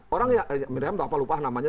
orang ya miriam atau apa lupa namanya